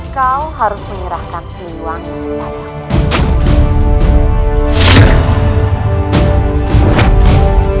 kau harus menyerahkan seluangmu padaku